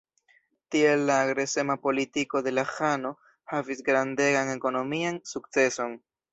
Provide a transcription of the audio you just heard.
Tiel la agresema politiko de la ĥano havis grandegan ekonomian sukceson.